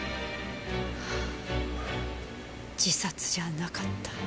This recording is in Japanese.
自殺じゃなかった。